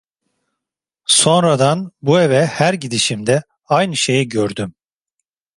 Sonradan bu eve her gidişimde aynı şeyi gördüm.